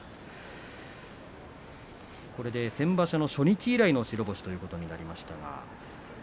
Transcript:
先場所の初日以来の白星ということになりましたか。